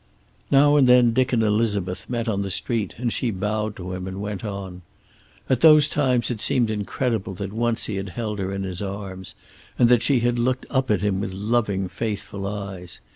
Now and then Dick and Elizabeth met on the street, and she bowed to him and went on. At those times it seemed incredible that once he had held her in his arms, and that she had looked up at him with loving, faithful eyes.